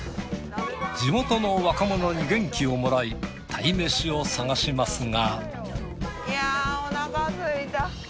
地元の若者に元気をもらい鯛めしを探しますが。